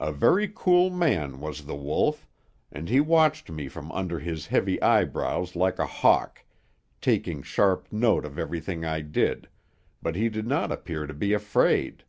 "A very cool man was The Wolf; and he watched me from under his heavy eyebrows like a hawk, taking sharp note of everything I did, but he did not appear to be afraid.